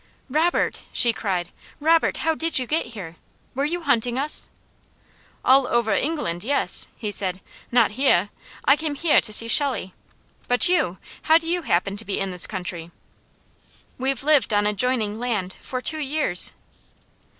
"Robert!" she cried. "Robert! how did you get here? Were you hunting us?" "All ovah England, yes," he said. "Not heah! I came heah to see Shelley. But you? How do you happen to be in this country?" "We've lived on adjoining land for two years!"